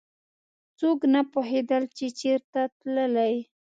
څوک نه پوهېدل چې چېرته تللی.